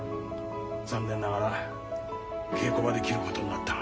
残念ながら稽古場で切ることになったが。